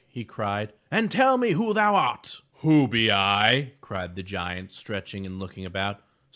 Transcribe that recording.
'* he cried, "and tell me who thou art/' ''Who be I?'' cried the giant, stretching and looking about.